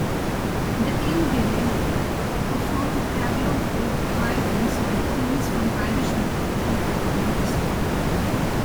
The Inghinidhe performed tableaux vivants on themes from Irish mythology and world history.